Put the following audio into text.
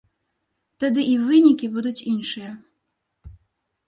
Тады і вынікі будуць іншыя.